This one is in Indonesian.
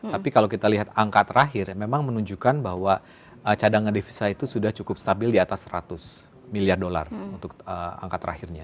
tapi kalau kita lihat angka terakhir memang menunjukkan bahwa cadangan devisa itu sudah cukup stabil di atas seratus miliar dolar untuk angka terakhirnya